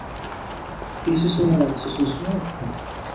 Et ce soir c'est son soir.